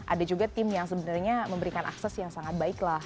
ada juga tim yang sebenarnya memberikan akses yang sangat baik lah